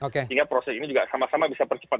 sehingga proses ini juga sama sama bisa percepat